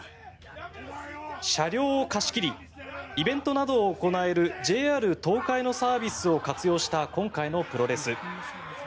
車両を貸し切りイベントなどを行えるＪＲ東海のサービスを活用した今回のプロレス。